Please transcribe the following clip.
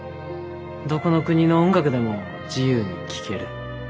どこの国の音楽でも自由に聴ける。